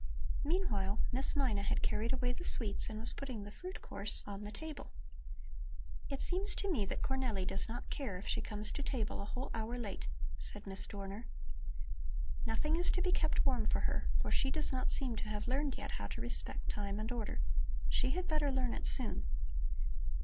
Meanwhile, Miss Mina had carried away the sweets and was putting the fruit course on the table. "It seems to me that Cornelli does not care if she comes to table a whole hour late," said Miss Dorner. "Nothing is to be kept warm for her, for she does not seem to have learned yet how to respect time and order. She had better learn it soon."